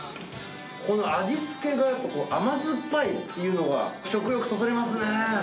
この味付けがやっぱ甘酸っぱいというのが、食欲そそりますね。